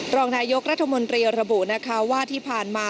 รองนายกรัฐมนตรีระบุนะคะว่าที่ผ่านมา